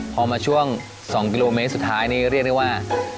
พอมาช่วง๒กิโลเมตรสุดท้ายนี่เรียกได้ว่า